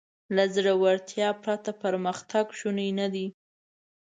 له زړهورتیا پرته پرمختګ شونی نهدی.